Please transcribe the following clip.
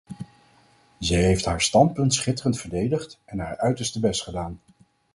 Zij heeft haar standpunt schitterend verdedigd en haar uiterste best gedaan.